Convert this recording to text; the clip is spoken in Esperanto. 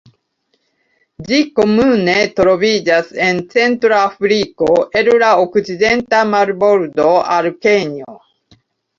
Ĝi komune troviĝas en Centra Afriko el la okcidenta marbordo al Kenjo.